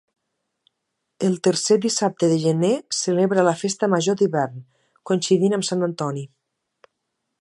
El tercer dissabte de gener celebra la festa major d'hivern, coincidint amb sant Antoni.